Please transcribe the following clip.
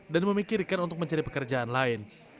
dan memikirkan untuk mencari pekerjaan lain